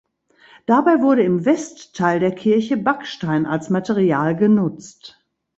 Dabei wurde im Westteil der Kirche Backstein als Material genutzt.